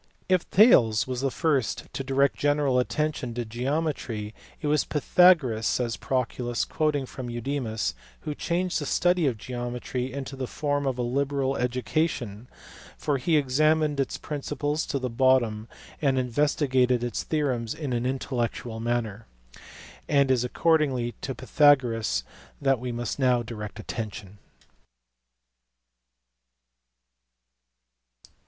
If Thales was the in hi iu uirect general attention to geometry, it was Pytha goras, says Proclus, quoting from Eudemus, who "changed the study of geometry into the form of a liberal education, for he examined its principles to the bottom and investigated its theorems in an... intellectual manner" : and it is accordingly to Pythagoras that we must now direct attention.